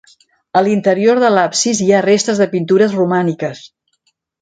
A l'interior de l'absis hi ha restes de pintures romàniques.